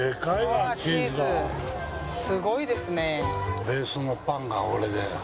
すごいですね。